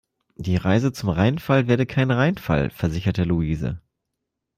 Die Reise zum Rheinfall werde kein Reinfall, versicherte Louise.